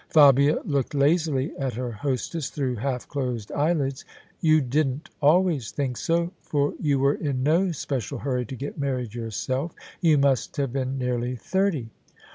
Fabia looked lazily at her hostess through half dosed eyelids. " You didn't always think so, for you were in no special hurry to get married yourself: you must have been nearly thirty."